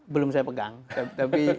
belum saya pegang tapi